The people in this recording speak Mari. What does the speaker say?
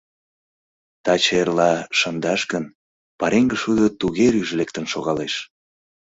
Таче-эрла шындаш гын, пареҥге шудо туге рӱж лектын шогалеш.